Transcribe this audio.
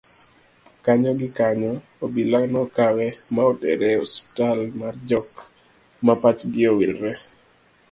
kanyo gi kanyo obila nokawe ma otere e ospital mar jok ma pachgi owilore